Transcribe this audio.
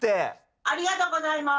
ありがとうございます。